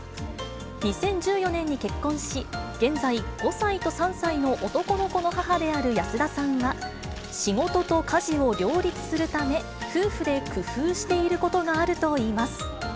２０１４年に結婚し、現在、５歳と３歳の男の子の母である安田さんは、仕事と家事を両立するため、夫婦で工夫していることがあるといいます。